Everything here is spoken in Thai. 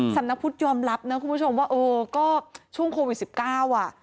สำนักพุทธยอมรับนะคุณผู้ชมว่าเออก็ช่วงโควิด๑๙